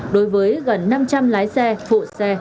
đối với gần năm trăm linh lái xe phụ xe